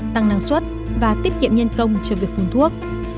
tăng năng suất và tiết kiệm nhân công cho việc phun thuốc